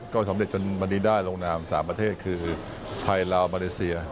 ก็สำเร็จจนวันนี้ได้ลงนาม๓ประเทศคือไทยลาวมาเลเซีย